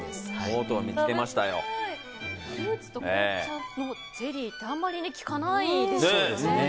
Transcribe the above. フルーツと紅茶のゼリーってあまり聞かないですよね。